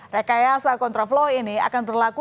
rekayasa kontra flow ini akan berlaku